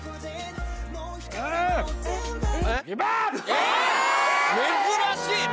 えっ珍しい何？